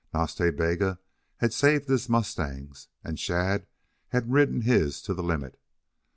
Nas Ta Bega had saved his mustangs and Shadd had ridden his to the limit.